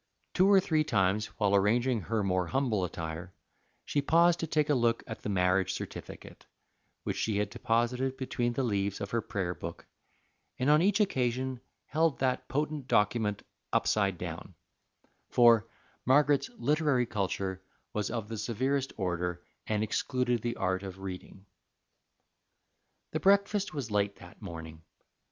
Two or three times, while arranging her more humble attire, she paused to take a look at the marriage certificate, which she had deposited between the leaves of her prayer book, and on each occasion held that potent document upside down; for Margaret's literary culture was of the severest order, and excluded the art of reading. The breakfast was late that morning.